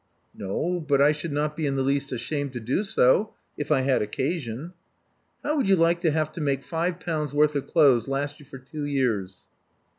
'*No. But I should not be in the least ashamed to do so if I had occasion." How would you like to have to make five pounds worth of clothes last you for two years?"